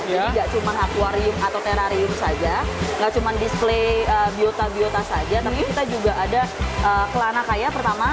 jadi gak cuman aquarium atau terarium saja gak cuman display biota biota saja tapi kita juga ada kelana kaya pertama